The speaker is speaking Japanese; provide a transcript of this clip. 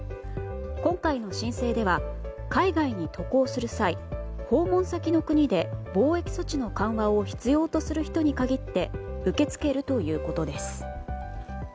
今回の申請では海外に渡航する際訪問先の国で防疫措置の緩和を必要とする人に限って受け付けるということです。